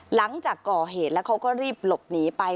หลังจากก่อเหตุแล้วเขาก็รีบหลบหนีไป